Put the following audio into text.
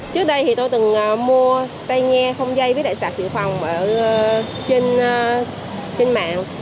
trước đây thì tôi từng mua tay nghe không dây với lại sạc dự phòng trên mạng